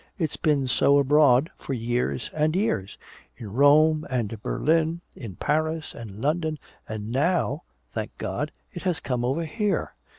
It's been so abroad for years and years in Rome and Berlin, in Paris and London and now, thank God, it has come over here!